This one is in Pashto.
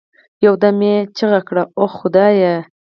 يو دم يې چيغه كړه وه خدايه!